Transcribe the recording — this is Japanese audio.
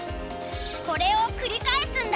これを繰り返すんだ。